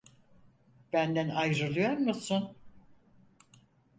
Benden ayrılıyor musun?